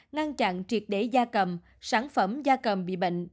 ngăn chặn triệt đế gia cầm sản phẩm gia cầm bị bệnh